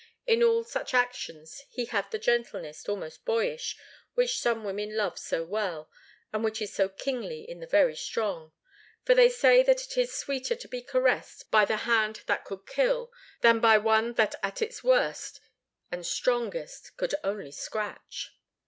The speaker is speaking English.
In all such actions he had the gentleness, almost boyish, which some women love so well, and which is so kingly in the very strong for they say that it is sweeter to be caressed by the hand that could kill, than by one that at its worst and strongest could only scratch.